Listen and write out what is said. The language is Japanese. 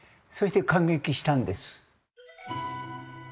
そして感激したんです。